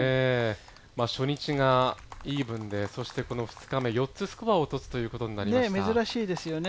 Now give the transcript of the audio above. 初日がイーブンで、２日目４つスコアを落とすということになりました。